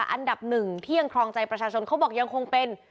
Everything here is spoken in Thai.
อันดับหนึ่งที่ยังครองใจประชาชนเขาบอกยังคงเป็น